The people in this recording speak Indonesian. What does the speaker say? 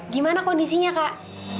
gimana kondisinya kak